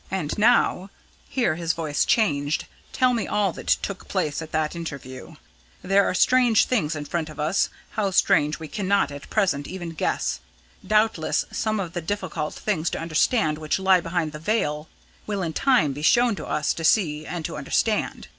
And now," here his voice changed, "tell me all that took place at that interview. There are strange things in front of us how strange we cannot at present even guess. Doubtless some of the difficult things to understand which lie behind the veil will in time be shown to us to see and to understand.